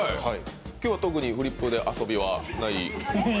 今日は特にフリップで遊びはない？